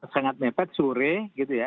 sangat mepet sore gitu ya